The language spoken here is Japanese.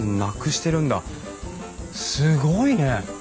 すごいね！